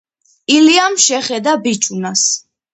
ილიამ შეხედა ბიჭუნას,